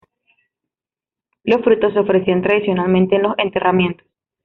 Los frutos se ofrecían tradicionalmente en los enterramientos.